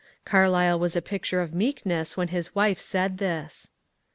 Carlyle was a picture of meekness when his wife said this.